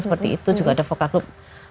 seperti itu juga ada voka group